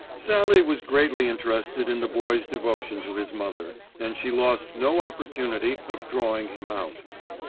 Sallie was greatly interested in the Boy's devotion to his mother, and she lost no opportunity of drawing him out.